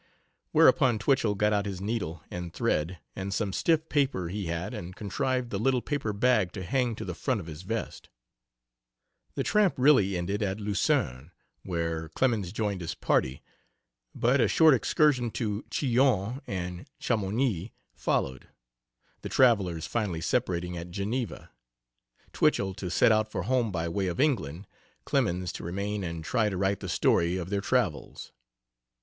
Whereupon Twichell got out his needle and thread and some stiff paper he had and contrived the little paper bag to hang to the front of his vest. The tramp really ended at Lausanne, where Clemens joined his party, but a short excursion to Chillon and Chamonix followed, the travelers finally separating at Geneva, Twichell to set out for home by way of England, Clemens to remain and try to write the story of their travels.